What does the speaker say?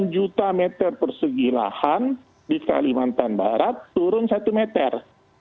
empat puluh sembilan juta meter persegi lahan di kalimantan barat turun satu meter